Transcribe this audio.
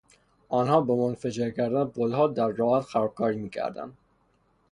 آنها با منفجر کردن پلها در راهآهن خرابکاری میکردند.